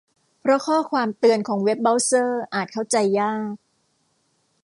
เพราะข้อความเตือนของเว็บเบราว์เซอร์อาจเข้าใจยาก